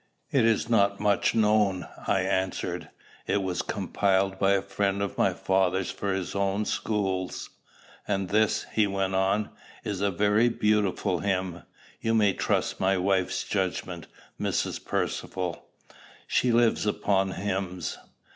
"It is not much known," I answered. "It was compiled by a friend of my father's for his own schools." "And this," he went on, "is a very beautiful hymn. You may trust my wife's judgment, Mrs. Percivale. She lives upon hymns."